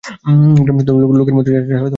গ্রামসুদ্ধ লোকের মুখে যাত্রা ছাড়া আর কথা নাই।